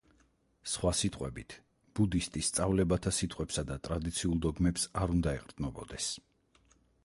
სხვა სიტყვებით, ბუდისტი სწავლებათა სიტყვებსა და ტრადიციულ დოგმებს არ უნდა ეყრდნობოდეს.